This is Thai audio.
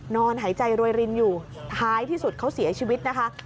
นอนหายใจโรยรินอยู่ท้ายที่สุดเขาเสียชีวิตนะคะ